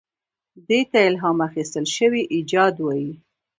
دې ته الهام اخیستل شوی ایجاد وایي.